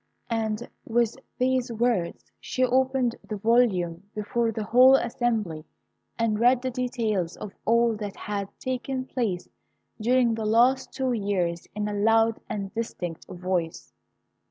and with these words, she opened the volume before the whole assembly, and read the details of all that had taken place during the last two years in a loud and distinct voice.